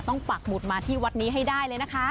ต้องปากบุตรมาที่วัดนี้ให้ได้เลยนะคะ